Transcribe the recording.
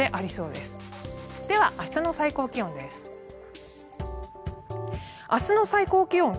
では、明日の最高気温です。